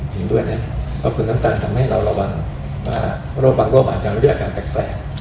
ถึงด้วยน่ะขอบคุณตานทำให้เราระวังว่าโรคบางโรคอาจจะมาด้วยอาการแตกแปลก